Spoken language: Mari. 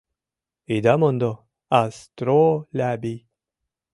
— Ида мондо: а-стро-лябий.